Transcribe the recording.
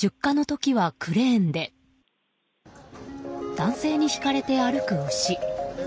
男性に引かれて歩く牛。